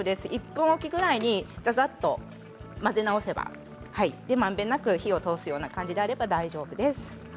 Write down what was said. １分おきぐらいにざざっと混ぜ直せばまんべんなく火を通すような感じになれば大丈夫です。